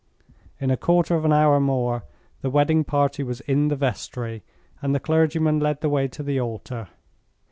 In a quarter of an hour more the wedding party was in the vestry, and the clergyman led the way to the altar.